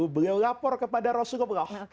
beliau lapor kepada rasulullah